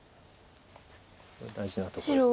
これ大事なとこです。